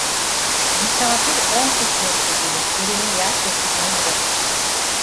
Misafir on kısmetle gelir; birini yer, dokuzunu bırakır.